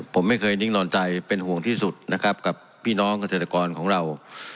ผมไม่เคยนิ่งนอนใจเป็นห่วงที่สุดนะครับกับพี่น้องเกษตรกรของเรา